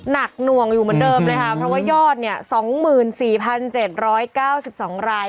หน่วงอยู่เหมือนเดิมเลยค่ะเพราะว่ายอดเนี่ย๒๔๗๙๒ราย